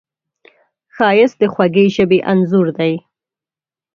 ښایست د خوږې ژبې انځور دی